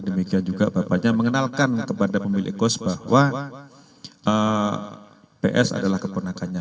demikian juga bapaknya mengenalkan kepada pemilik kos bahwa ps adalah keponakannya